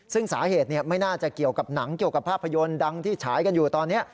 ซึ่งสาเหตุไม่น่าจะเกี่ยวกับหนังเกี่ยวกับภาพยนตร์ดังที่ฉายกันอยู่ตอนนี้